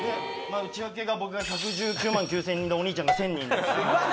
内訳が僕が１１９万９０００人でお兄ちゃんが１０００人。